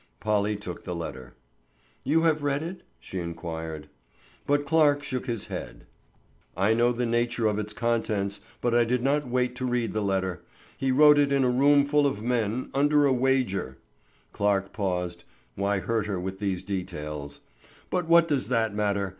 Polly took the letter. "You have read it?" she inquired. But Clarke shook his head. "I know the nature of its contents, but I did not wait to read the letter. He wrote it in a roomful of men, under a wager——" Clarke paused; why hurt her with these details? "But what does that matter?